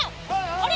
あれ？